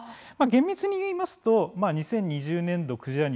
厳密に言いますと２０２０年度クジラ